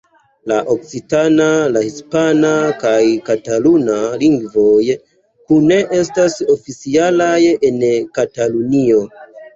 La okcitana, la hispana kaj kataluna lingvoj kune estas oficialaj en Katalunio.